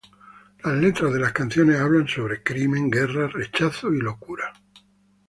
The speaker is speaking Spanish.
Las letras de las canciones hablan sobre crimen, guerra, rechazo y locura.